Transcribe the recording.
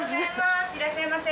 いらっしゃいませ！